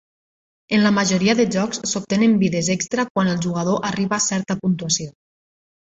En la majoria de jocs s'obtenen vides extra quan el jugador arriba a certa puntuació.